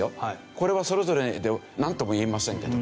これはそれぞれでなんとも言えませんけど。